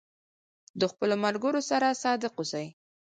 د خپلو ملګرو سره صادق اوسئ.